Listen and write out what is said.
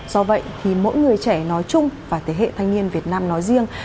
do vậy thì mỗi người trẻ nói chung và thế hệ thanh niên việt nam nói riêng